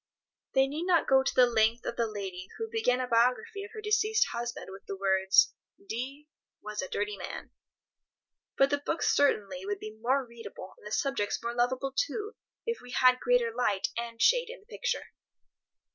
They need not go the length of the lady who began a biography of her deceased husband with the words—"D—— was a dirty man," but the books certainly would be more readable, and the subjects more lovable too, if we had greater light and shade in the picture.